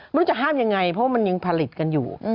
ไม่รู้จะห้ามยังไงเพราะว่ามันยังผลิตกันอยู่